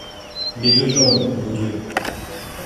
Les deux jambes, mon Dieu !